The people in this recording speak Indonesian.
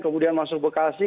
kemudian masuk bekasi